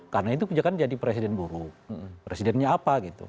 karena itu dia kan jadi presiden buruh presidennya apa gitu